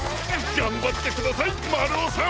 がんばってくださいまるおさん！